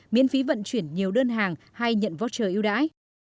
miễn phí vận chuyển nhiều đơn hàng hay nhận voucher yêu đãi